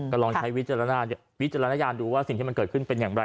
ก็ลองใช้วิจารณญาณดูว่าสิ่งที่มันเกิดขึ้นเป็นอย่างไร